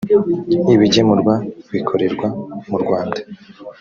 ibigemurwa bikorerwa mu rwanda